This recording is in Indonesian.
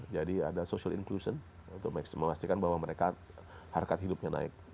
jadi ada social inclusion untuk memastikan bahwa mereka harga hidupnya naik